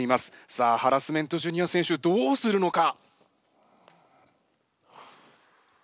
さあハラスメントＪｒ．選手どうするのか？